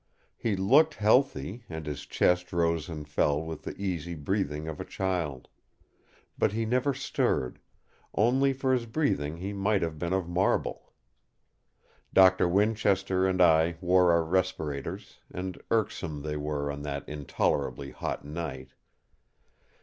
He looked healthy, and his chest rose and fell with the easy breathing of a child. But he never stirred; only for his breathing he might have been of marble. Doctor Winchester and I wore our respirators, and irksome they were on that intolerably hot night.